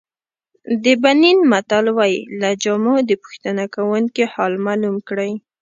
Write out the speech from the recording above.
د بنین متل وایي له جامو د پوښتنه کوونکي حال معلوم کړئ.